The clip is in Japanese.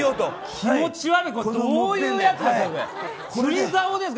気持ち悪い！どういうやつですか。